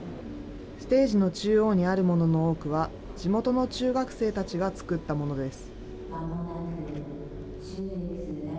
ステージの中央にあるものの多くは、地元の中学生たちが作ったものです。